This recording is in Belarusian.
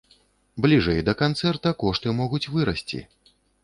Бліжэй да канцэрта кошты могуць вырасці.